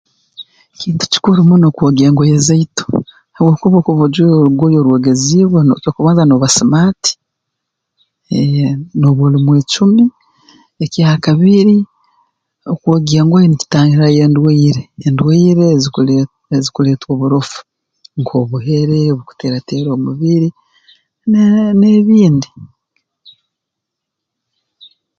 Kintu kikuru muno kwogya engoye zaitu habwokuba obu okuba ojwaire orugoye orwogeziibwe noo ekyokubanza nooba smart eeh nooba oli mwecumi ekyakabiri okwogya engoye nikitangirayo endwaire endwaire ezikulee ezikuleetwa oburofu nk'obuhere obukuteera teera omubiri nee n'ebindi